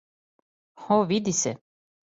О, види се?